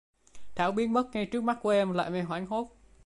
Thảo biến mất ngay trước mắt của em làm em hoảng hốt